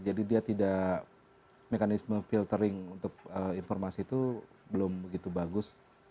jadi dia tidak mekanisme filtering untuk informasi itu belum begitu bagus